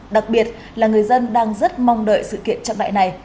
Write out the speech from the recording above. đặc biệt là người dân đang rất mong đợi sự kiện trọng đại này